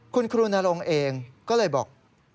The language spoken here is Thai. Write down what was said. คุณครูนรงค์เองก็เลยบอก